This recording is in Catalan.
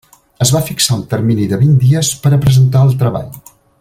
Es va fixar un termini de vint dies per a presentar el treball.